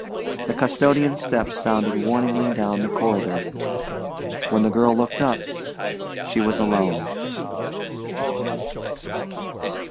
The custodian's step sounded warningly down the corridor. When the girl looked up she was alone.